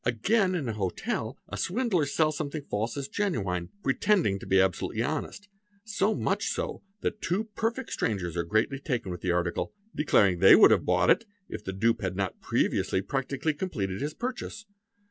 .| Again, in a hotel, a swindler sells something false as genuine, pretend ing to be absolutely honest, so much so that two perfect strangers are greatly taken with the article, declaring they would have bought it, if the dupe had not previously practically completed his purchase.